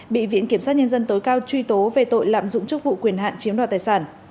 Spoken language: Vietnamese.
bị viện kiểm sát nhân dân tối cao truy tố về tội lạm dụng chức vụ quyền hạn chiếm đoạt tài sản